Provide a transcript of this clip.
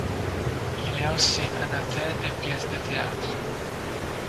Il est aussi un auteur de pièces de théâtre.